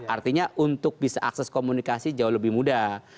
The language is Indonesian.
artinya untuk bisa akses komunikasi jauh lebih mudah